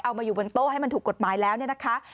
มาอยู่บนโต๊ะให้มันถูกกฎหมายแล้วเนี่ยนะคะ